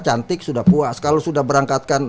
cantik sudah puas kalau sudah berangkatkan